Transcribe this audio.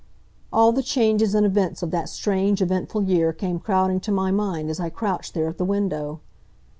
All the changes and events of that strange, eventful year came crowding to my mind as I crouched there at the window.